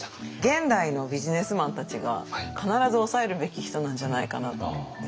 現代のビジネスマンたちが必ず押さえるべき人なんじゃないかなと思って。